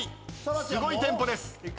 すごいテンポです。